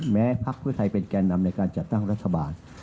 พักเพื่อไทยเป็นแก่นำในการจัดตั้งรัฐบาล